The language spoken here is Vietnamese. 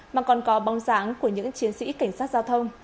mà còn có bóng dáng của những chiến sĩ cảnh sát giao thông